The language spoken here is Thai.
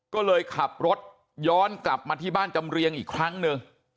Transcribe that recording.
ก็เลยขับรถย้อนกลับมาที่บ้านจำเรียงอีกครั้งหนึ่ง